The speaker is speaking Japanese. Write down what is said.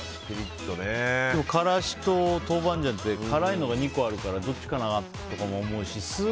からしと豆板醤って辛いのが２個あるからどっちかなとは思うし。